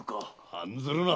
案ずるな。